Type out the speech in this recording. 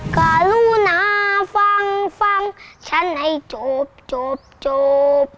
การุนาฟังฟังฉันให้จบจบ